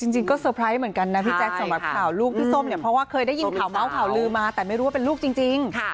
จริงก็เตอร์ไพรส์เหมือนกันนะพี่แจ๊คสำหรับข่าวลูกพี่ส้มเนี่ยเพราะว่าเคยได้ยินข่าวเมาส์ข่าวลือมาแต่ไม่รู้ว่าเป็นลูกจริง